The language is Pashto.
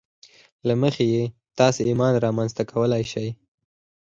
له مخې یې تاسې ایمان رامنځته کولای شئ